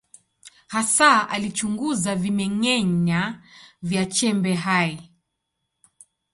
Hasa alichunguza vimeng’enya vya chembe hai.